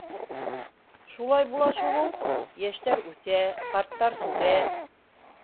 — Шулай була шул ул, йәштәр үҫә, ҡарттар сүгә!